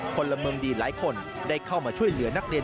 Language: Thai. พลเมืองดีหลายคนได้เข้ามาช่วยเหลือนักเรียน